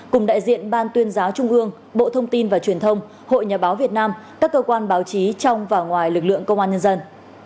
cùng đại diện ban tuyên giáo trung ương bộ thông tin và truyền thông hội nhà báo việt nam các cơ quan báo chí trong và ngoài lực lượng công an nhân dân